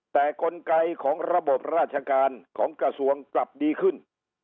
แต่กลไกของระบบราชการของกระทรวงกลับดีขึ้น